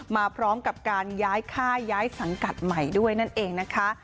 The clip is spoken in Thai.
มาพร้อมกับการย้ายค่ายย้ายสังกัดใหม่ด้วยนั่นเองนะคะ